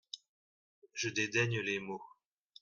Je dédaigne les mots.